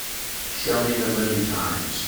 Show me the movie times